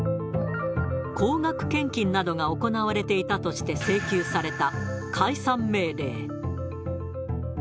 高額献金などが行われていたとして請求された解散命令。